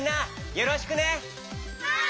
はい！